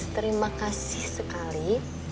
terima kasih sekali